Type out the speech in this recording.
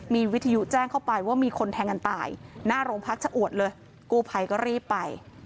มีวิทยุแจ้งเข้าไปว่ามีคนแทงกันตายหน้าโรงพักชะอวดเลยกู้ภัยก็รีบไป